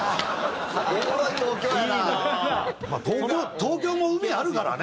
東京も海あるからね。